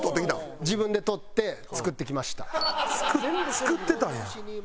作ってたんや。